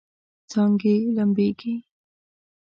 څانګې لمبیږي